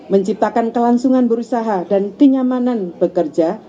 menciptakan kelangsungan berusaha dan kenyamanan bekerja